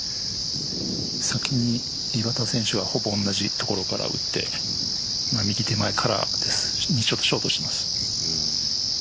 先に岩田選手はほぼ同じところから打って右手前からショートします。